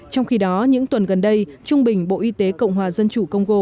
trong khi đó những tuần gần đây trung bình bộ y tế cộng hòa dân chủ congo